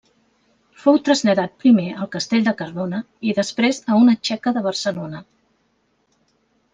Fou traslladat primer al Castell de Cardona i després a una txeca de Barcelona.